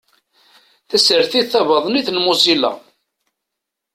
Tasertit tabaḍnit n Mozilla.